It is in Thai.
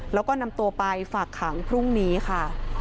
แล้วก็นำตัวไปฝากขังพรุ่งนี้ค่ะ